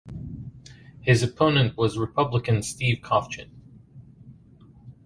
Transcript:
His opponent was Republican Steve Cofchin.